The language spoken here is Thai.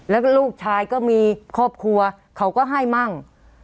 แล้วก็ลูกชายก็มีครอบครัวเขาก็ให้มั่ง